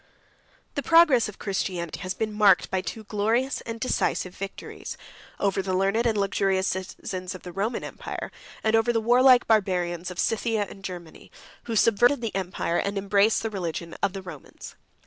The progress of Christianity has been marked by two glorious and decisive victories: over the learned and luxurious citizens of the Roman empire; and over the warlike Barbarians of Scythia and Germany, who subverted the empire, and embraced the religion, of the Romans.